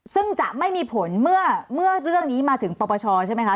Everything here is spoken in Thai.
ซึ่งจะไม่มีผลเมื่อเรื่องนี้มาถึงปปชใช่ไหมคะ